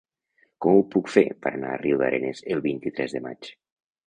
Com ho puc fer per anar a Riudarenes el vint-i-tres de maig?